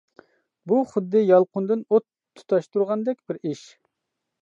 بۇ خۇددى يالقۇندىن ئوت تۇتاشتۇرغاندەك بىر ئىش.